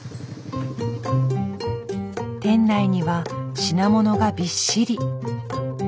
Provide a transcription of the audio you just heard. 店内には品物がびっしり。